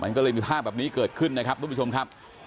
มันก็เลยมีท่าแบบนี้เกิดขึ้นนะครับ